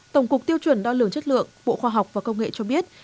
tổng cục tiêu chuẩn đo lường chất lượng bộ khoa học và công nghệ cho biết